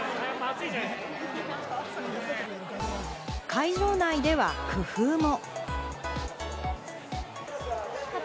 会場内では工夫も。